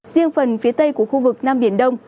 riêng phần phía tây của khu vực nam biển đông